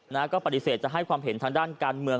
นะฮะก็ปฏิเสธจะให้ความเห็นทางด้านการเมือง